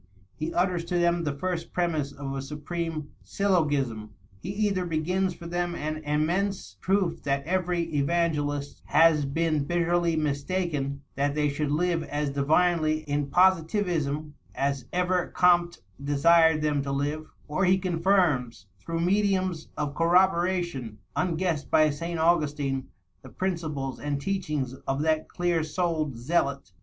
He utters to them the first premiss of a supreme syllogism. He either b^ns for them an immense proof that every evangelist has been bitterly mistaken — ^that they should live as divinely in Positivism as ever Comte desired them to live — or he confirms through mediums of corroboration unguessed by Saint Augustine the principles and teachings of that clear souled zealot.